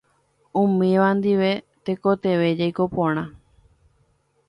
Umíva ndive tekotevẽ jaiko porã.